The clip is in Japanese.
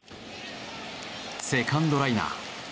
セカンドライナー。